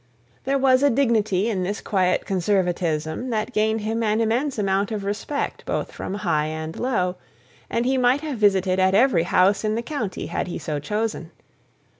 There was a dignity in this quiet conservatism that gained him an immense amount of respect both from high and low; and he might have visited at every house in the county had he so chosen.